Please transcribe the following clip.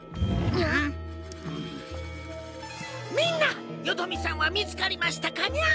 みんなよどみさんは見つかりましたかニャ？